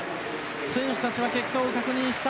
選手たちは結果を確認した。